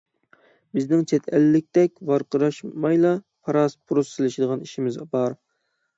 بىزنىڭ چەت ئەللىكتەك ۋارقىراشمايلا پاراس-پۇرۇس سېلىشىدىغان ئىشىمىز بار.